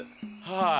はい。